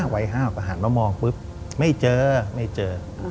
วัย๕๖ก็หันมามองปุ๊บไม่เจอไม่เจอ